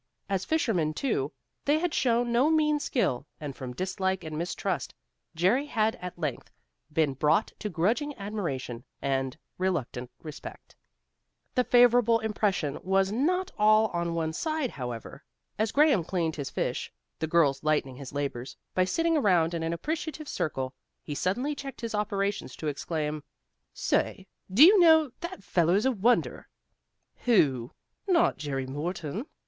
As fishermen, too, they had showed no mean skill, and from dislike and mistrust, Jerry had at length been brought to grudging admiration and reluctant respect. The favorable impression was not all on one side, however. As Graham cleaned his fish the girls lightening his labors, by sitting around in an appreciative circle he suddenly checked his operations to exclaim: "Say, do you know, that fellow's a wonder!" "Who? Not Jerry Morton?"